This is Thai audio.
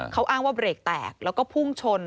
เขาอ้างว่าเบรกแตกแล้วก็พุ่งชน